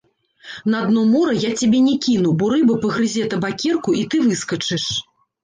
На дно мора я цябе не кіну, бо рыба пагрызе табакерку, і ты выскачыш.